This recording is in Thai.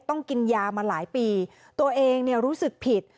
ต้องกินยามาหลายปีตัวเองเนี่ยรู้สึกผิด